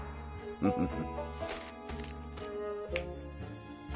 フフフ。